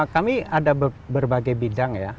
kami ada berbagai bidang ya